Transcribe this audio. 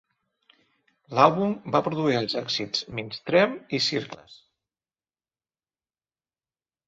L'àlbum va produir els èxits "Mindstream" i "Circles".